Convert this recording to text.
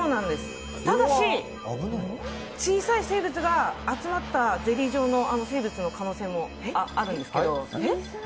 ただし、小さい生物が集まったゼリー状の生物の可能性もあるんですけど。